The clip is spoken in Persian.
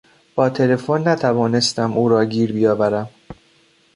با تلفن نتوانستم او را گیر بیاورم.